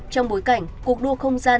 trong bối cảnh cuộc đua không gian